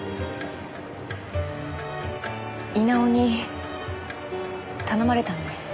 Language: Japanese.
稲尾に頼まれたのね。